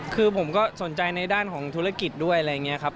คือผมก็สนใจในด้านของธุรกิจด้วยอะไรอย่างนี้ครับ